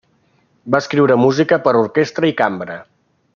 Va escriure música per a orquestra i cambra.